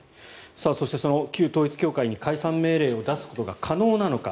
そして、旧統一教会に解散命令を出すことが可能なのか。